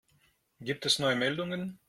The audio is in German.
Gibt es neue Meldungen?